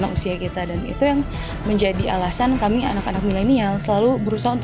anggota dpr tertua periode ini adalah abdul wahab dali munte